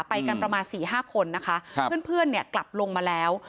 ไปกันประมาณ๔๕คนนะคะเพื่อนกลับลงมาแล้ว